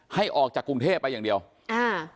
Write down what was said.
ให้ออกจากกรุงเทพไปอย่างเดียวอ่า